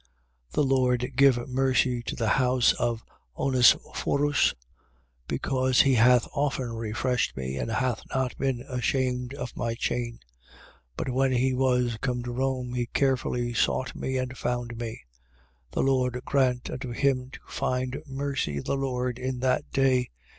1:16. The Lord give mercy to the house of Onesiphorus: because he hath often refreshed me and hath not been ashamed of my chain: 1:17. But when he was come to Rome, he carefully sought me and found me. 1:18. The Lord grant unto him to find mercy of the Lord in that day.